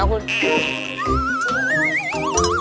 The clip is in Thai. มันไม่ไหวแล้วคุณ